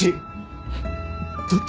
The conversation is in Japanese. どっち！？